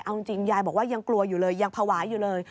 เอาจริงยายบอกว่ายังกลัวอยู่เลยยังภาวะอยู่เลย